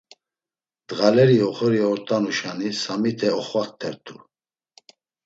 Ndğaleri oxori ort̆anuşani Samite oxvaktert̆u.